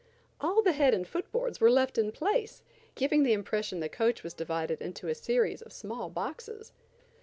All the head and foot boards were left in place, giving the impression that the coach was divided into a series of small boxes.